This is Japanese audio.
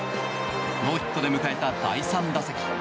ノーヒットで迎えた第３打席。